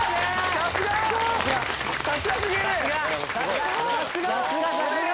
さすが！